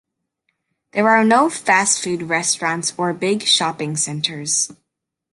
There are no fast food restaurants or big shopping centers.